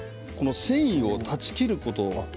繊維を断ち切ること。